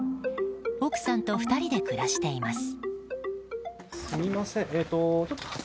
奥さんと２人で暮らしています。